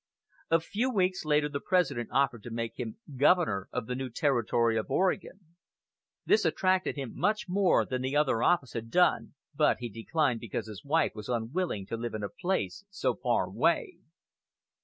A few weeks later the President offered to make him governor of the new Territory of Oregon. This attracted him much more than the other office had done, but he declined because his wife was unwilling to live in a place so far away.